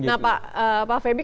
nah pak feby